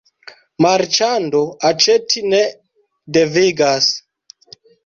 Marĉando aĉeti ne devigas.